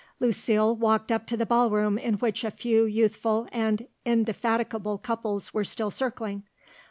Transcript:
Lucile walked up to the ball room in which a few youthful and indefatigable couples were still circling.